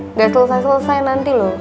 nggak selesai selesai nanti loh